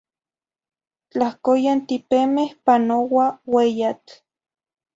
Tlahcoyan tipemeh panoa ueyatl